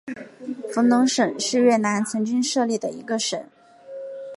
福隆省是越南曾经设立的一个省。